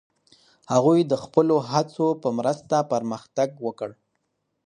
هغوی د خپلو هڅو په مرسته پرمختګ وکړ.